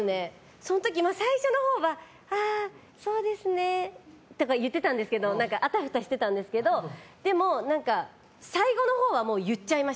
そのとき最初の方はあそうですねとか言ってたんですけどあたふたしてたんですけどでも最後の方はもう言っちゃいました。